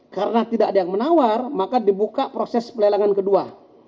karena tidak ada yang menawar maka dibuka proses pelelangan kedua